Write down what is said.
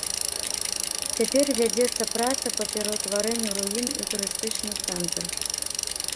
Цяпер вядзецца праца па пераўтварэнню руін у турыстычны цэнтр.